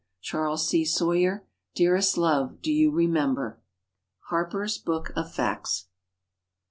Charles C. Sawyer. "Dearest love, do you remember?" Harper's "Book of Facts."